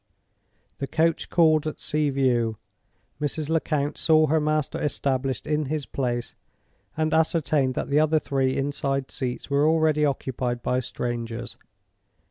The coach called at Sea View. Mrs. Lecount saw her master established in his place, and ascertained that the other three inside seats were already occupied by strangers.